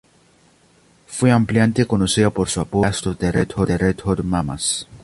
Fue ampliamente conocida por su apodo, "The Last of the Red Hot Mamas.